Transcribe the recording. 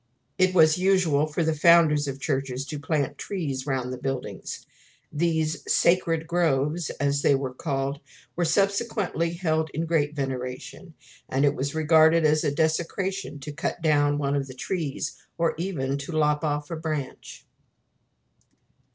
It was usual for the founders of churches to plant trees round the buildings. These "Sacred Groves," as they were called, were subsequently held in great veneration, and it was regarded as a desecration to cut down one of the trees, or even to lop off a branch.